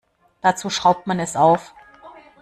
Dazu schraubt man es auf.